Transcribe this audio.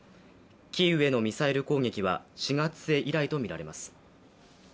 キーウへのミサイル攻撃は４月末以来とみられます。